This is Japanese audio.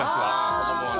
子どもはね。